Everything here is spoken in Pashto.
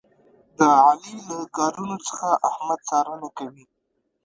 د علي له کارونو څخه احمد څارنه کوي.